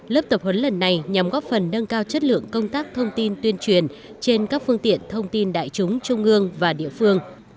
lớp tập huấn lần này nhằm góp phần nâng cao chất lượng công tác thông tin tuyên truyền trên các phương tiện thông tin đại chúng trung ương và địa phương